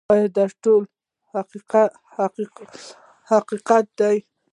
آیا دا ټول حقونه دي؟